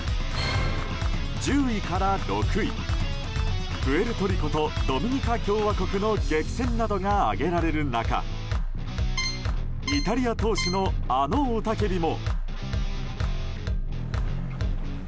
１０位から６位プエルトリコとドミニカ共和国の激戦などが挙げられる中イタリア投手のあの雄たけびも。